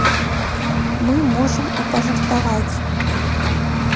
Мы можам і пажартаваць.